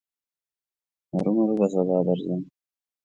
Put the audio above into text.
هرو مرو به سبا درځم.